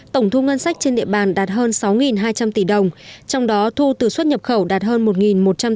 tổng thu ngân sách trên địa bàn đạt hơn sáu hai trăm linh tỷ đồng trong đó thu từ xuất nhập khẩu đạt hơn một một trăm linh